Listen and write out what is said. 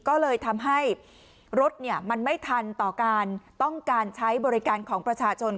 ก็เลยทำให้รถมันไม่ทันต่อการต้องการใช้บริการของประชาชน